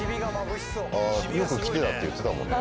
あよく来てたって言ってたもんね。